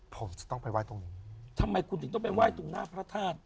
ผมจะต้องไปไหว้ตรงนี้ทำไมคุณถึงต้องไปไหว้ตรงหน้าพระธาตุ